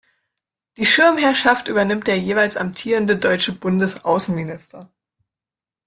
Die Schirmherrschaft übernimmt der jeweils amtierende deutsche Bundesaußenminister.